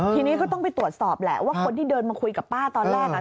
ทีนี้ก็ต้องไปตรวจสอบแหละว่าคนที่เดินมาคุยกับป้าตอนแรกอ่ะ